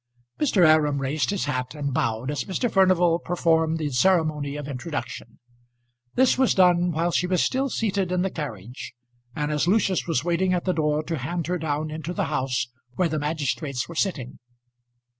Mr. Aram raised his hat and bowed as Mr. Furnival performed the ceremony of introduction. This was done while she was still seated in the carriage, and as Lucius was waiting at the door to hand her down into the house where the magistrates were sitting.